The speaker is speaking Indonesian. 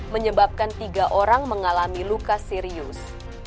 menyebabkan tiga orang mengalami luka serius